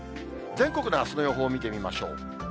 全国のあすの予報を見てみましょう。